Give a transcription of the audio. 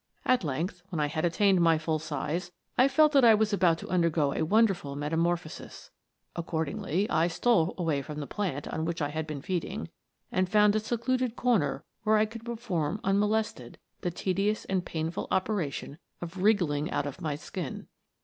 At length, when I had attained my full size, I felt that I was about to undergo a wonderful meta morphosis ; accordingly I stole away from the plant on which I had been feeding, and found a secluded corner where I could perform unmolested the tedious and painful operation of wriggling out of my skin.